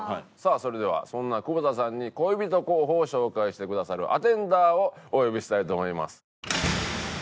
それではそんな久保田さんに恋人候補を紹介してくださるアテンダーをお呼びしたいと思います。